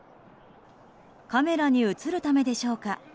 カメラに映るためでしょうか。